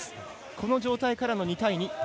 この状態からの２対２。